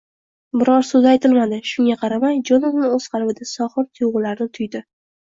Biror so‘z aytilmadi, shunga qaramay, Jonatan o‘z qalbida sohir tuyg‘ularni tuydi: